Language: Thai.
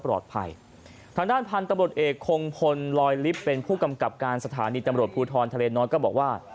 ทางด้านพันธุ์ตำรวจเอกคงพลลอยลิฟต์เป็นผู้กำกับการสถานีตำรวจภูทรทะเลน้อยก็บอกว่า